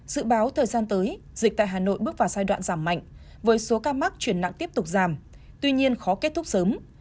dự báo thời gian tới dịch tại hà nội bước vào giai đoạn giảm mạnh với số ca mắc chuyển nặng tiếp tục giảm tuy nhiên khó kết thúc sớm